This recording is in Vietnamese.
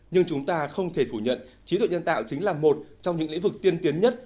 nhưng chúng ta không thể phủ nhận trí tuệ nhân tạo chính là một trong những lĩnh vực tiên tiến nhất